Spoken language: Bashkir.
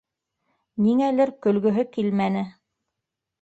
Ниңәлер көлгөһө килмәне.